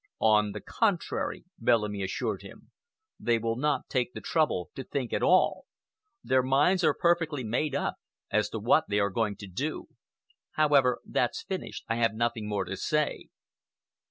"On the contrary," Bellamy assured him, "they will not take the trouble to think at all. Their minds are perfectly made up as to what they are going to do. However, that's finished. I have nothing more to say."